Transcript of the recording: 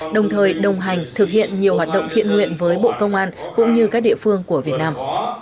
đồng thời đồng hành thực hiện nhiều hoạt động thiện nguyện với bộ công an cũng như các địa phương của việt nam